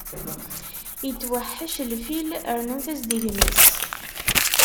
Itweḥḥec lfil, rnut-as-d gma-s!